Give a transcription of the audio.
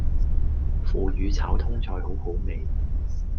腐乳炒通菜好好味